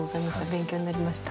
勉強になりました。